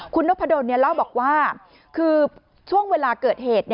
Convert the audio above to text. คุณนพดลเล่าบอกว่าคือช่วงเวลาเกิดเหตุ